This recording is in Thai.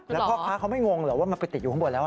แล้วพ่อค้าเขาไม่งงเหรอว่ามันไปติดอยู่ข้างบนแล้ว